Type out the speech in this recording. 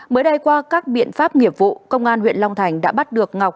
mới đây qua các biện pháp nghiệp vụ công an huyện long thành đã bắt được ngọc